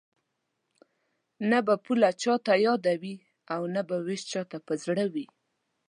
نه به پوله چاته یاده نه به وېش چاته په زړه وي